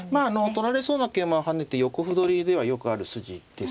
取られそうな桂馬を跳ねて横歩取りではよくある筋です。